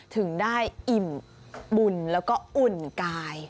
ถึงได้อิ่มบุญแล้วก็อุ่นกาย